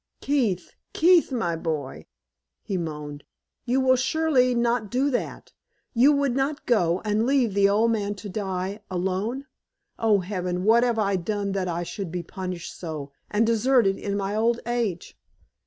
"Keith! Keith, my boy!" he moaned. "You will surely not do that? You would not go, and leave the old man to die alone? Oh, Heaven! what have I done that I should be punished so, and deserted in my old age?"